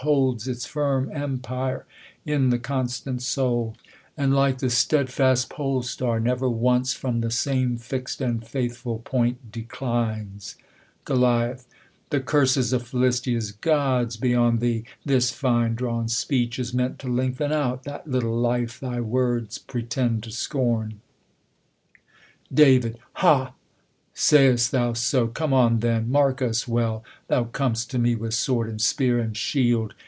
231 Holds its firm empire in the coHslant soul ; And, like the stedtast pole star, never once From the same fixM and faithful point declines. GoL The cursCs of Philistia's gods be en thee ! This fine drawn speech is meant to lengthen out That little life thy words pretend to scorn. Dav, Ha! says' t thou so? Come on then! Mark us well. Thou com'st to me with sword, and spear, and shield